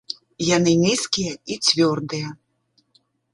Яны нізкія і цвёрдыя.